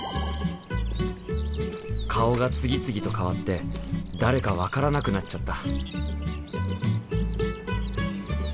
顔が次々と変わって誰か分からなくなっちゃった。